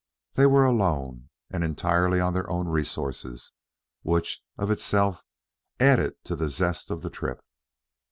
They were alone and entirely on their own resources, which of itself added to the zest of the trip.